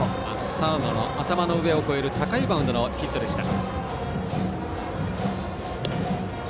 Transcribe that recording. サードの頭の上を越える高いバウンドのヒットでした。